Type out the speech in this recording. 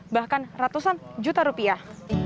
bahkan ratusan juta rupiah